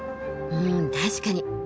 うん確かに！